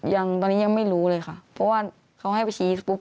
ยังตอนนี้ยังไม่รู้เลยค่ะเพราะว่าเขาให้ไปชี้ปุ๊บ